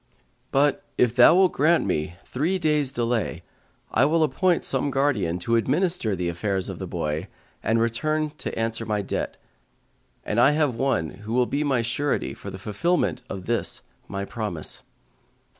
But, if thou wilt grant me three days' delay, I will appoint some guardian to administer the affairs of the boy and return to answer my debt; and I have one who will be my surety for the fulfillment of this my promise."